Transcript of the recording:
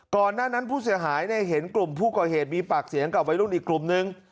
ก่อนหน้านั้นผู้เสียหายเห็นกลุ่มผู้ก่อเหตุมีปากเสียงกับวัยรุ่นอีกกลุ่มนึง